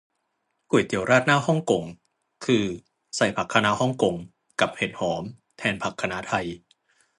ก๋วยเตี๋ยวราดหน้าฮ่องกงคือใส่ผักคะน้าฮ่องกงกับเห็ดหอมแทนผักคะน้าไทย